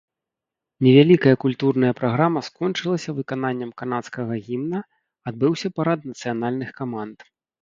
Невялікая культурная праграма скончылася выкананнем канадскага гімна, адбыўся парад нацыянальных каманд.